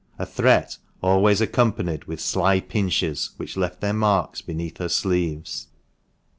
— a threat always accompanied with sly pinches, which left their marks beneath her sleeves.